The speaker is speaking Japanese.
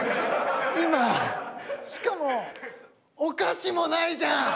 今しかもお菓子もないじゃん！